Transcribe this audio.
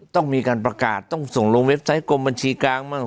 ต้องมีการประกาศต้องส่งลงเว็บไซต์กรมบัญชีกลางบ้าง